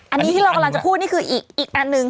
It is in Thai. อันนี้ที่เรากำลังจะพูดนี่คืออีกอันหนึ่ง